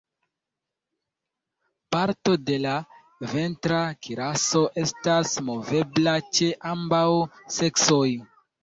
Parto de la ventra kiraso estas movebla ĉe ambaŭ seksoj.